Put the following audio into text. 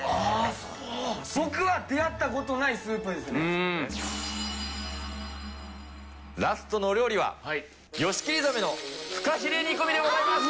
僕は出会ったことないスープラストのお料理は、ヨシキリザメのフカヒレ煮込みでございます。